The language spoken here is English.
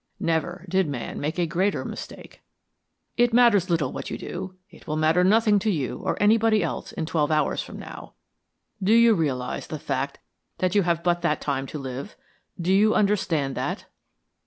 Never did man make a greater mistake. It matters little what you do, it will matter nothing to you or anybody else in twelve hours from now. Do you realise the fact that you have but that time to live? Do you understand that?"